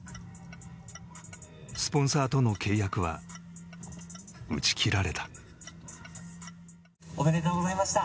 スポンサーとの契約は打ち切られた。